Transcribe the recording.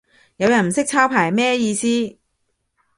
有人唔識抄牌咩意思